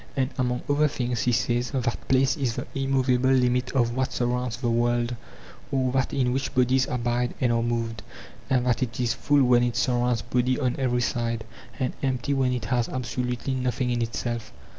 And among other things he says that place is the immovable limit of what surrounds the world, or that in which bodies abide and are moved; and that it is full when it surrounds body on every side, and empty when it has absolutely nothing in itself.